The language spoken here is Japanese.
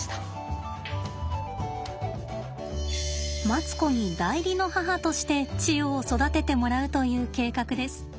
マツコに代理の母としてチヨを育ててもらうという計画です。